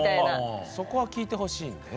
あっそこは聞いてほしいんだね。